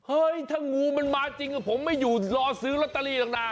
เฮ้ยถ้างูมันมาจริงผมจะรอซื้อตากร์มลลอตเตอรี่ดอกนาน